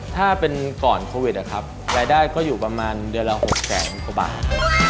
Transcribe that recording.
ถ้าเป็นก่อนโควิดนะครับรายได้ก็อยู่ประมาณเดือนละ๖แสนกว่าบาท